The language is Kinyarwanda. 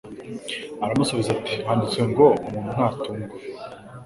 Aramusubiza ati ‘Handitswe ngo Umuntu ntatungwa